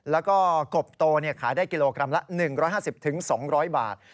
แล้วก็กบโตขายได้กิโลกรัมละ๑๕๐๒๐๐บาท